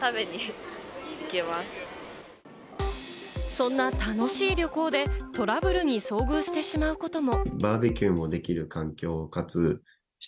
そんな楽しい旅行でトラブルに遭遇してしまうことも。